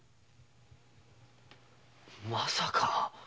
まさか？